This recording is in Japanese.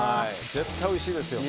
絶対おいしいですよ。